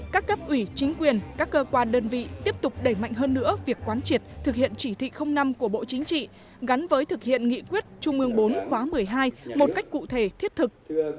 các cấp ủy chính quyền các cơ quan đơn vị tiếp tục đẩy mạnh hơn nữa việc quán triệt thực hiện chỉ thị năm của bộ chính trị gắn với thực hiện nghị quyết trung ương bốn khóa một mươi hai một cách cụ thể thiết thực